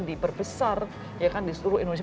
diperbesar di seluruh indonesia